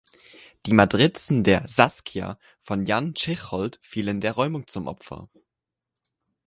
Die Matrizen der "Saskia" von Jan Tschichold fielen der Räumung zum Opfer.